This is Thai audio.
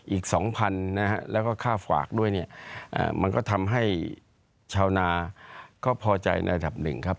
อีก๒๐๐๐นะฮะแล้วก็ค่าฝากด้วยเนี่ยมันก็ทำให้ชาวนาก็พอใจในระดับหนึ่งครับ